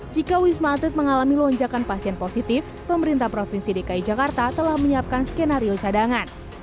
jika wisma atlet mengalami lonjakan pasien positif pemerintah provinsi dki jakarta telah menyiapkan skenario cadangan